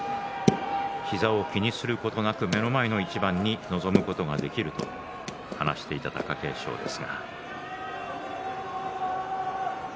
膝を気にすることなく目の前の一番に臨むことができると話していた貴景勝です。